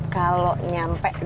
kalau nyampe di titik apa